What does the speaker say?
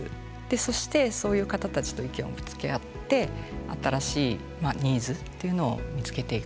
そして、そういう方たちと意見をぶつけ合って新しいニーズっていうのを見つけていく。